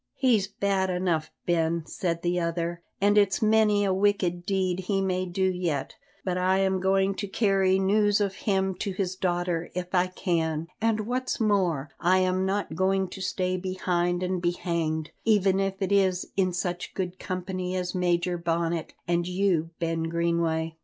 "He's bad enough, Ben," said the other, "and it's many a wicked deed he may do yet, but I am going to carry news of him to his daughter if I can; and what's more, I am not going to stay behind and be hanged, even if it is in such good company as Major Bonnet and you, Ben Greenway."